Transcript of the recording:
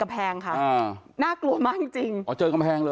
อึ้งลงมา